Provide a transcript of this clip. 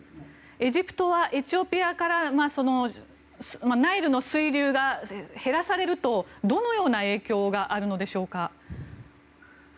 エジプトはエチオピアからナイルの水流が減らされると、どのような影響があるのでしょうか。